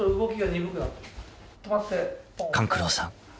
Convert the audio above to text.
［勘九郎さん